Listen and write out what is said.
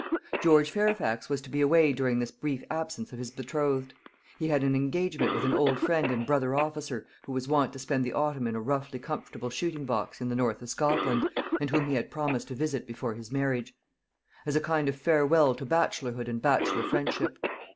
George Fairfax was to be away during this brief absence of his betrothed. He had an engagement with an old friend and brother officer who was wont to spend the autumn in a roughly comfortable shooting box in the north of Scotland, and whom he had promised to visit before his marriage; as a kind of farewell to bachelorhood and bachelor friendship.